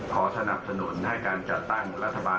ขอสนับสนุนให้การจัดตั้งรัฐบาล